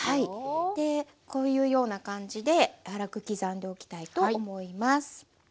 でこういうような感じで粗く刻んでおきたいと思います。